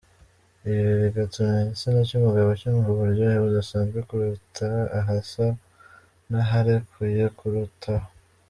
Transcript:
Ibi bigatuma igitsina cy’umugabo cyumva uburyohe budasanzwe kuruta ahasa n’aharekuye kurutaho.